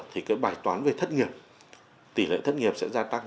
thì cái bài toán về thất nghiệp tỷ lệ thất nghiệp sẽ gia tăng